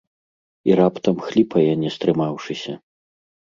І раптам хліпае, не стрымаўшыся.